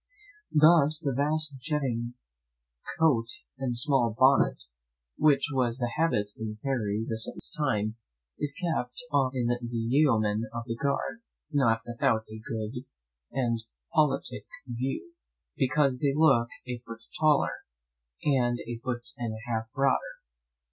Thus the vast jetting coat and small bonnet, which was the habit in Harry the seventh's time, is kept on in the yeomen of the guard; not without a good and politick view, because they look a foot taller, and a foot and an half broader.